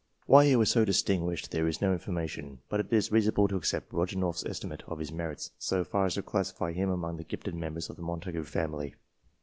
Why he was so distinguished there is no information, but it is reasonable to accept Roger North's estimate of his merits, so far as to classify him among the gifted members of the Montagu family.